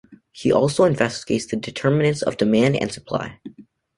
He also investigates the determinants of demand and supply.